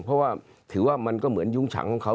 เพราะว่าถือว่ามันก็เหมือนยุ้งฉางของเขา